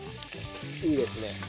いいですね。